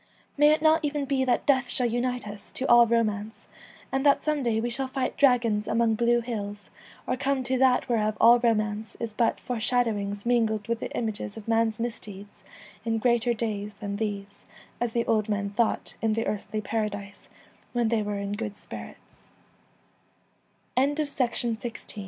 May it not even be that death shall unite us to all romance, and that some day we shall fight dragons among blue hills, or come to that whereof all romance is but ' Foreshadowings mingled with the images Of man's misdeeds in greater days than these,' as the old men thought in The Earthly Paradise when the